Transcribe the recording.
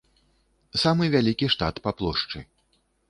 Самы вялікі штат па плошчы.